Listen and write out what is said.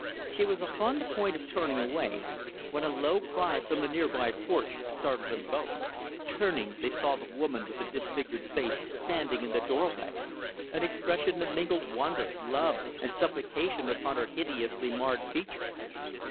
She was upon the point of turning away, when a low cry from the nearby porch startled them both. Turning, they saw the woman with the disfigured face, standing in the doorway; an expression of mingled wonder, love, and supplication upon her hideously marred features.